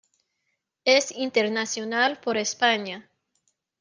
Es internacional por España.